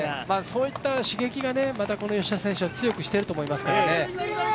そういった刺激がまたこの吉田選手を強くしていると思いますからね。